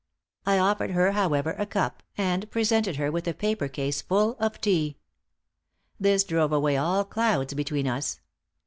I offered her, however, a cup, and presented her with a paper case full of tea. This drove away all clouds between us.